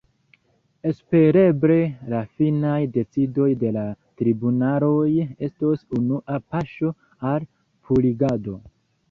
Espereble la finaj decidoj de la tribunaloj estos unua paŝo al purigado.